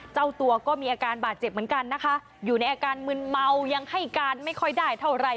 เจ้าตัวก็มีอาการบาดเจ็บเหมือนกันนะคะอยู่ในอาการมึนเมายังให้การไม่ค่อยได้เท่าไร